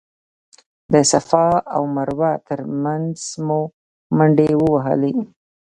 د صفا او مروه تر مینځ مو منډې ووهلې.